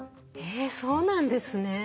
えそうなんですね。